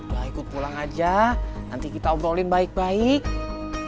wah ikut pulang aja nanti kita obrolin baik baik